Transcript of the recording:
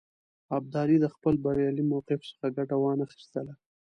ابدالي د خپل بریالي موقف څخه ګټه وانه خیستله.